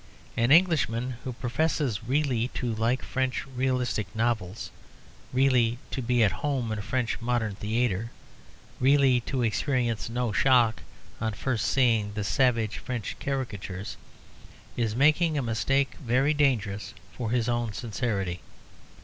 An Englishman who professes really to like French realistic novels, really to be at home in a French modern theatre, really to experience no shock on first seeing the savage French caricatures, is making a mistake very dangerous for his own sincerity.